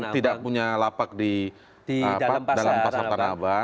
tidak punya lapak di dalam pasar tanah abang